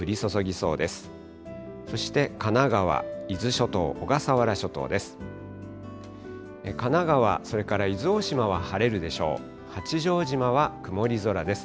そして神奈川、伊豆諸島、小笠原諸島です。